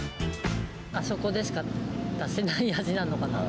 あそこでしか出せない味なのかな。